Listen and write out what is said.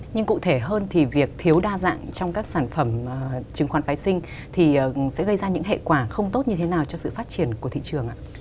nhưng cụ thể hơn thì việc thiếu đa dạng trong các sản phẩm chứng khoán phái sinh thì sẽ gây ra những hệ quả không tốt như thế nào cho sự phát triển của thị trường ạ